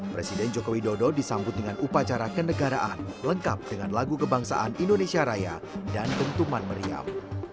presiden jokowi dodo disambut dengan upacara kenegaraan lengkap dengan lagu kebangsaan indonesia raya dan bentuman meriam